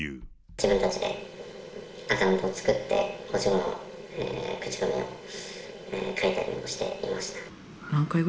自分たちでアカウントを作って、星５の口コミを書いたりもしていました。